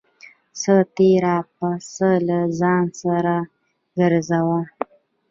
څه تېره پڅه له ځان سره گرځوه.